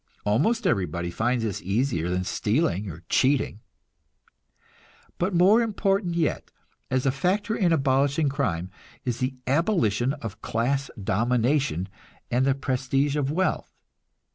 Almost everybody finds this easier than stealing or cheating. But more important yet, as a factor in abolishing crime, is the abolition of class domination and the prestige of wealth.